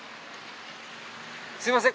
すみません